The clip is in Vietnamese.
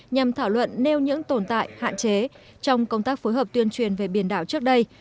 nhằm thảo luận nêu những tồn tại hạn chế trong công tác phối hợp tuyên truyền về biển đảo trước đây